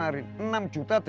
dari keluarga pak hassen